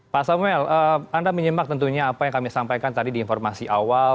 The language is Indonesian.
pak samuel anda menyimak tentunya apa yang kami sampaikan tadi di informasi awal